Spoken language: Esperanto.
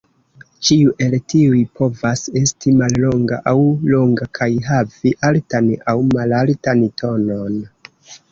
Ĉiu el tiuj povas esti mallonga aŭ longa kaj havi altan aŭ malaltan tonon.